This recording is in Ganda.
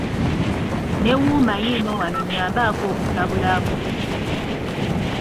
Ne wuuma yiino wano nnyambaako okutabulamu.